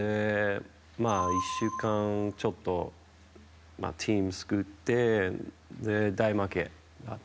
１週間ちょっとでチーム作って大負けがあって。